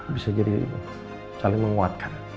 bisa jadi saling menguatkan